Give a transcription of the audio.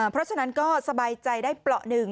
เพราะฉะนั้นก็สบายใจได้เปราะหนึ่ง